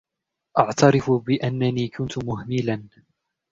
أعترف بأنني كنت مهملاً.